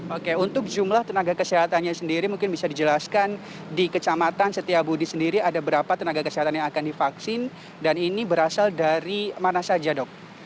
oke untuk jumlah tenaga kesehatannya sendiri mungkin bisa dijelaskan di kecamatan setiabudi sendiri ada berapa tenaga kesehatan yang akan divaksin dan ini berasal dari mana saja dok